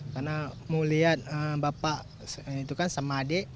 karena mau lihat bapak itu kan sama adik